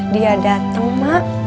dia datang mak